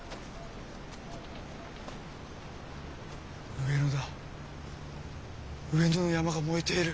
上野だ上野の山が燃えている！